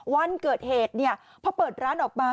วันเกิดเหตุเนี่ยเพราะเปิดร้านออกมา